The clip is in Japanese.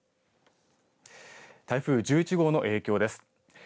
台風１１号の影響です。